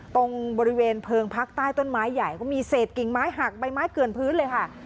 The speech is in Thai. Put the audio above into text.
ตรงบริเวณเพลิงพักใต้ต้นไม้ใหญ่ก็มีเศษกิ่งไม้หักใบไม้เกลือนพื้นเลยค่ะ